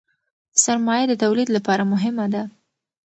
سرمایه د تولید لپاره مهمه ده.